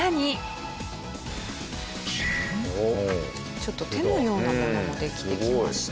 ちょっと手のようなものもできてきました。